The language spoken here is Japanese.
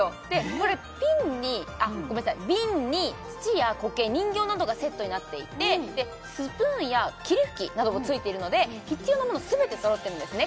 これ瓶に土や苔人形などがセットになっていてスプーンや霧吹きなどもついているので必要なものすべてそろってるんですね